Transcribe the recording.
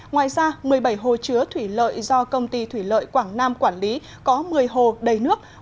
ngoài ra một mươi bảy hồ chứa thủy lợi do công ty thủy lợi quảng nam quản lý có một mươi hồ đầy nước